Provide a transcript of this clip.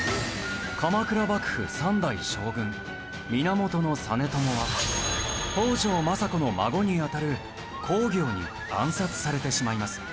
鎌倉幕府３代将軍源実朝は北条政子の孫にあたる公暁に暗殺されてしまいます。